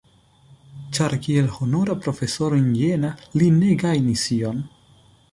Ĉar kiel honora profesoro en Jena li ne gajnis ion!